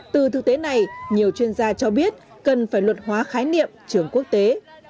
từ thực tế này nhiều chuyên gia cho biết cần phải luật hóa khái niệm trường quốc tế